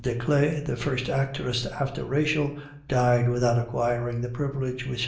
Desclée, the first actress after Rachel, died without acquiring the privilege which M.